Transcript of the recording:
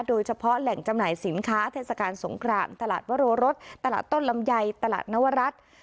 โดยเฉพาะแหล่งจำหน่ายสินค้าเทศกาลสงครามตลาดวโรรสตลาดต้นลำไยตลาดนวรัฐ